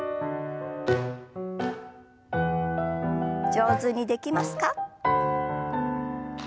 上手にできますか？